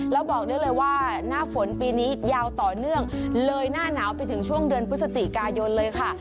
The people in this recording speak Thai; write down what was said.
แล้วบอกได้เลยว่าหน้าฝนปีนี้ยาวต่อเนื่องเลยหน้าหนาวไปถึงช่วงเดือนพฤศจิกายนเลยค่ะ